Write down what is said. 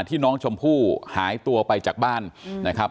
ที่น้องชมพู่หายตัวไปจากบ้านนะครับ